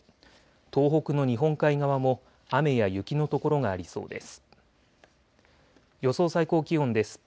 東北の日本海側も雨や雪の所がありそうです。